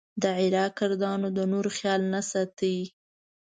د عراق کردانو د نورو خیال نه ساته.